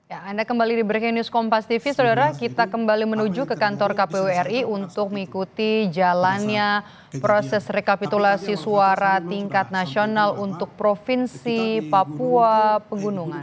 ya anda kembali di breaking news kompas tv saudara kita kembali menuju ke kantor kpu ri untuk mengikuti jalannya proses rekapitulasi suara tingkat nasional untuk provinsi papua pegunungan